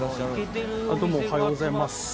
どうもおはようございます。